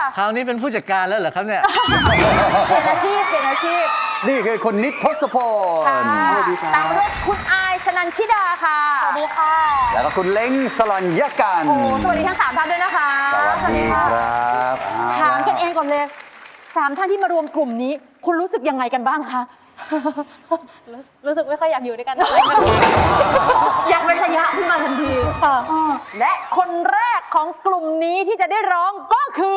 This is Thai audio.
คราวนี้เป็นผู้จัดการแล้วเหรอครับนี่ครับครับ